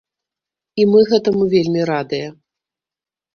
І мы гэтаму вельмі радыя!